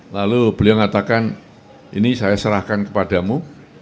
lalu beliau ngatakan ini saya serahkan kepadamu